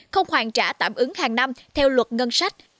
không hoàn trả tạm ứng hàng năm theo luật ngân sách